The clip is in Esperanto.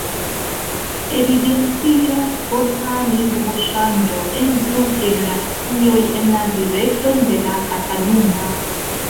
Evidentiĝas forta lingvoŝanĝo en du generacioj en la direkton de la kataluna.